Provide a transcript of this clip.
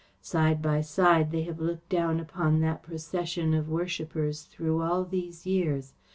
Side by side they have looked down upon that procession of worshippers through all these years.